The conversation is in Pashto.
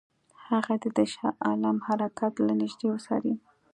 هغه دې د شاه عالم حرکات له نیژدې وڅاري.